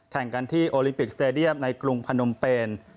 แข่งกันที่โอลิมปิกสเตดียมในกรุงพนมเปน